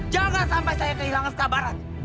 jangan sampai saya kehilangan kesabaran